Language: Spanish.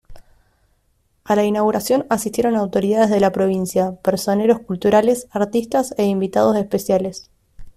A la inauguración asistieron autoridades de la provincia, personeros culturales, artistas e invitados especiales.